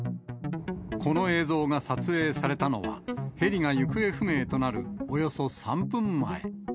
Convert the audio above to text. この映像が撮影されたのは、ヘリが行方不明となるおよそ３分前。